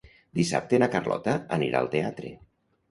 Dissabte na Carlota anirà al teatre.